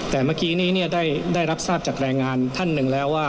แต่เมื่อกี้นี้ได้รับทราบจากแรงงานท่านหนึ่งแล้วว่า